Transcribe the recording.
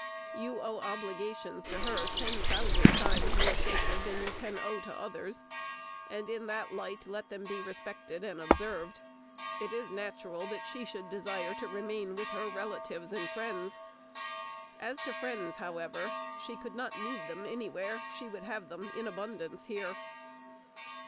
You owe obligations to her ten thousand times more sacred than you can owe to others, and in that light let them be respected and observed. It is natural that she should desire to remain with her relatives and friends. As to friends, however, she could not need them anywhere: she would have them in abundance here.